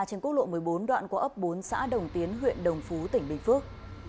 trên quốc lộ một mươi bốn đoạn của ấp bốn xã đồng tiến huyện đồng phú tỉnh bình phước